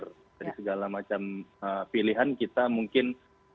jadi segala macam pilihan kita mungkin